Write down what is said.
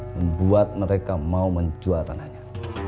membuat mereka mau menjual tanahnya